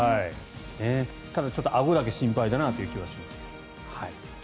ただ、ちょっとあごだけ心配だなという気はしますが。